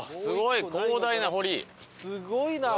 すごいな！